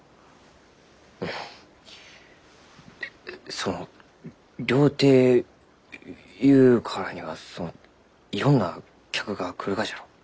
その料亭ゆうからにはそのいろんな客が来るがじゃろう？